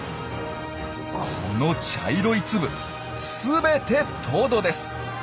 この茶色い粒全てトドです！